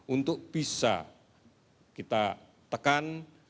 untuk bisa kita tekan